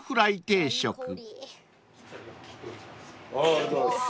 ありがとうございます。